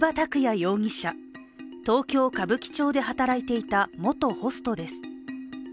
容疑者、東京・歌舞伎町で働いていた元ホストです。